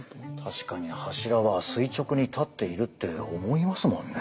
確かに柱は垂直に立っているって思いますもんね。